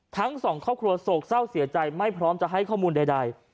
ทั้งสองครอบครัวโศกเศร้าเสียใจไม่พร้อมจะให้ข้อมูลใด